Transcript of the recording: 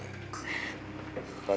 saya sudah tidak bisa mengolongnya